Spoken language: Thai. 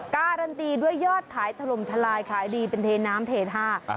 การันตีด้วยยอดขายถล่มทลายขายดีเป็นเทน้ำเททา